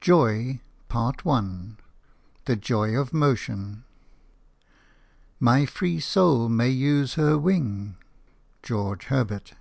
IIJOY II. – JOY THE JOY OF MOTION "My free soul may use her wing." – GEORGE HERBERT.